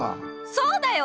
そうだよ！